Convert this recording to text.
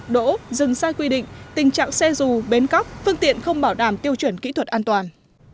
đỗ dừng sai quy định tình trạng xe dù bến cóc phương tiện không bảo đảm tiêu chuẩn kỹ thuật an toàn